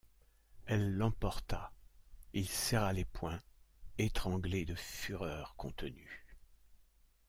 Elle l’emporta, il serra les poings, étranglé de fureur contenue.